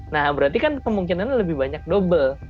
nah berarti kan kemungkinan lebih banyak double